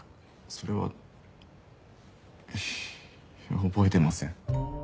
それは覚えてません。